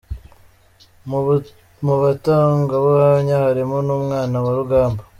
Mu batangabuhamya harimo n’umwana wa Rugamba.